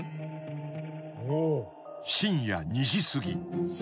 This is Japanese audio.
［深夜２時すぎ。